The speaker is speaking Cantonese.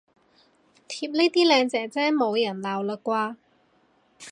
貼呢啲靚姐姐冇人鬧喇啩